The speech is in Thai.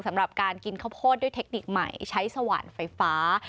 สำหรับการกินข้าวโพดด้วยเทคนิคใหม่ใช้สว่านไฟฟ้า